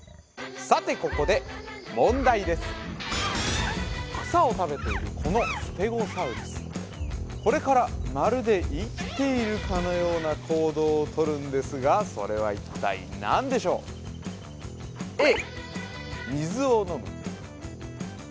さてここで問題です草を食べているこのステゴサウルスこれからまるで生きているかのような行動を取るんですがそれは一体何でしょうさあ